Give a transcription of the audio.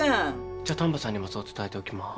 じゃあ丹波さんにもそう伝えておきます。